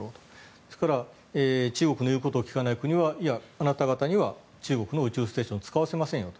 ですから中国の言うことを聞かない国はあなた方には中国の宇宙ステーション使わせませんよと。